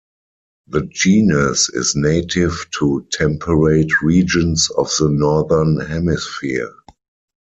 The genus is native to temperate regions of the Northern Hemisphere.